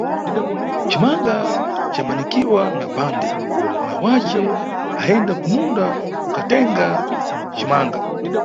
Cimanga camangiwa na bhande, mayi wace ayenda kumunda kukatenga cimanga.